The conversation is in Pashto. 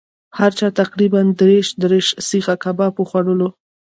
هر چا تقریبأ دېرش دېرش سیخه کباب وخوړلو.